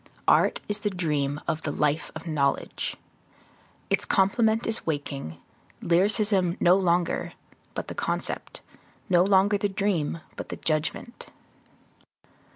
Art is the dream of the life of knowledge. Its complement is waking, lyricism no longer, but the concept; no longer the dream, but the judgment.